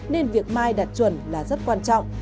nên việc mai đạt chuẩn là rất quan trọng